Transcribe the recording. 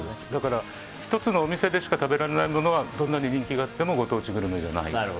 １つのお店でしか食べられないものはどんなに人気があってもご当地グルメじゃない。